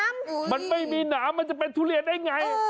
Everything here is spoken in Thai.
มันไม่มีหนามันจะเป็นทุเรียนได้ไง